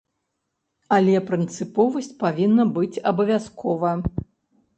Але прынцыповасць павінна быць абавязкова.